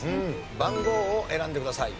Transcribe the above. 番号を選んでください。